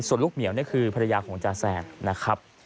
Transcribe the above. ส่วนลูกเหมียวนี่คือภรรยาของจาแซมนะครับ